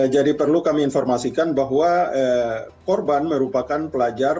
jadi perlu kami informasikan bahwa korban merupakan pelajar